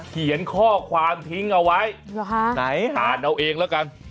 เขียนข้อความทิ้งเอาไว้ไหนอ่านเอาเองแล้วกัน